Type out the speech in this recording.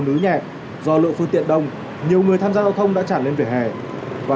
thực ra mặc dù là năm k nhưng mà cái nguy cơ cảm giác là nó vẫn cao